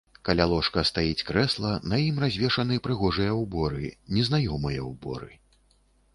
Каля ложка стаіць крэсла, на ім развешаны прыгожыя ўборы, незнаёмыя ўборы.